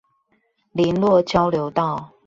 麟洛交流道